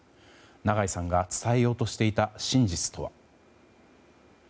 長井さんが伝えようとしていた真実とは。